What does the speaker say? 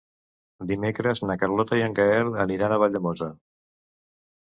Dimecres na Carlota i en Gaël aniran a Valldemossa.